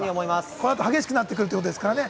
この後、激しくなってくるということですからね。